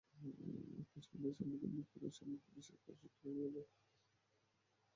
কাশ্মীরে সাম্প্রতিক বিক্ষোভের সময় পুলিশের পেলেট গুলিতে বহু লোক দৃষ্টিশক্তি হারিয়েছেন।